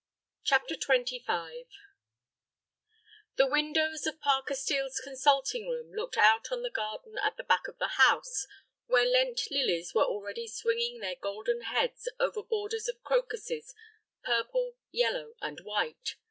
CHAPTER XXV The windows of Parker Steel's consulting room looked out on the garden at the back of the house, where Lent lilies were already swinging their golden heads over borders of crocuses, purple, yellow, and white.